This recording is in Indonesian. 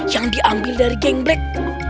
yang diambil dari geng brek